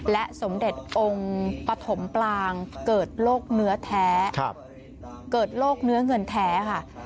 และสมเด็จองค์ปฐมปลางเกิดโรคเนื้อเงินแท้ค่ะ